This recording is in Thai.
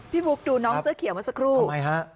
พี่พุกดูน้องเสื้อเขียวมาสักครู่ทำไมฮะ